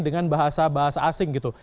dengan bahasa bahasa asing gitu